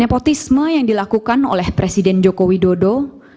nepotisme yang dilakukan oleh presiden joko widodo dapat dilakukan oleh pemohon